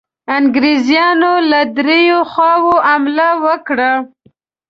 انګرېزانو له دریو خواوو حمله وکړه.